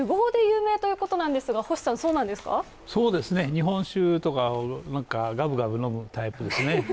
日本酒とかがぶがぶ飲むタイプですね。